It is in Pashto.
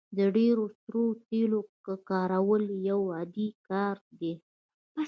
د ډیرو سړو تیلو کارول یو عادي کار دی